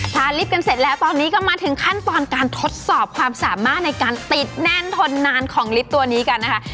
ลิฟต์กันเสร็จแล้วตอนนี้ก็มาถึงขั้นตอนการทดสอบความสามารถในการติดแน่นทนนานของลิฟต์ตัวนี้กันนะคะ